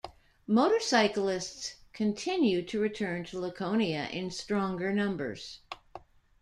Motorcyclists continued to return to Laconia in stronger numbers.